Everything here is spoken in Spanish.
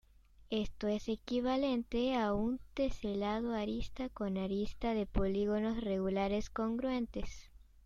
Esto es equivalente a un teselado arista con arista de polígonos regulares congruentes.